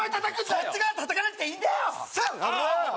そっちがたたかなくていいんだようっさい！